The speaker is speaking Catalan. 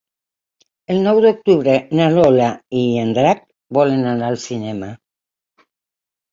El nou d'octubre na Lola i en Drac volen anar al cinema.